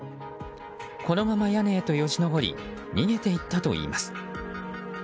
このまま屋根へとよじ登り逃げていったといいます。